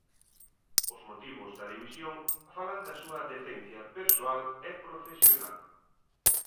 Os motivos da dimisión falan da súa decencia persoal e profesional.